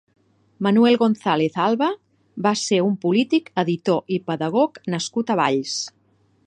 Manuel González Alba va ser un polític, editor i pedagog nascut a Valls.